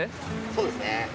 そうですね。